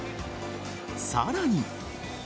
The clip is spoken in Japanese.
さらに。